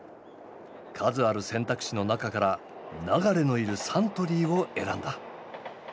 数ある選択肢の中から流のいるサントリーを選んだ。